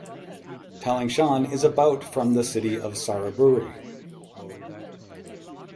Taling Chan is about from the city of Saraburi.